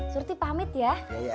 suruti pamit ya